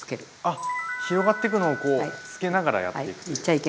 あっ広がってくのをこうつけながらやっていくという。